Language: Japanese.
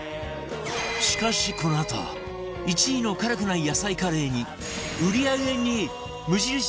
しかしこのあと１位の辛くない野菜カレーに売り上げ２位！無印